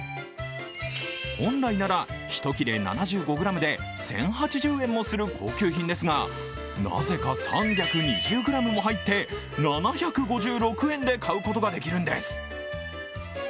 本来なら１切れ７５ｇで１０８０円もする高級品ですがなぜか３２０ｇも入って７５６円で買うことができるんです。